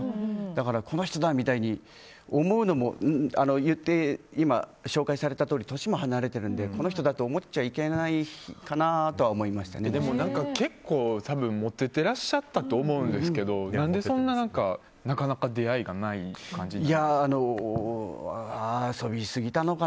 だからこの人だみたいに思うのも今、紹介されたとおり年も離れていたのでこの人だ！と思ってはいけないのかなとでも、結構モテてらっしゃったと思うんですけど何でそんななかなか出会いがない感じに？